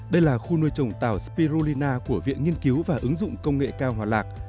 đây là khu nuôi trồng tàu spirulina của viện nghiên cứu và ứng dụng công nghệ cao hòa lạc